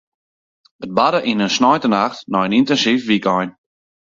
It barde yn in sneintenacht nei in yntinsyf wykein.